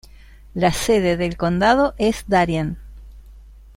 La sede del condado es Darien.